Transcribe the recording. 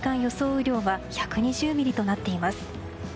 雨量は１２０ミリとなっています。